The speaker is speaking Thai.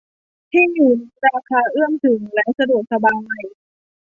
ที่อยู่นี้ราคาเอื้อมถึงและสะดวกสบาย